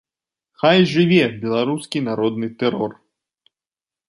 Хай жыве беларускі народны тэрор!